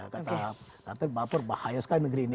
kata kated baper bahaya sekali negeri ini